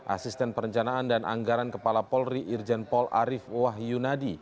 asisten perencanaan dan anggaran kepala polri irjen paul arief wahyunadi